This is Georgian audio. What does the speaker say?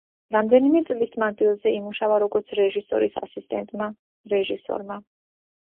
რამდენიმე წლის მანძილზე იმუშავა როგორც რეჟისორის ასისტენტმა, რეჟისორმა.